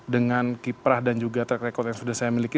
dengan kiprah dan juga track record yang sudah saya miliki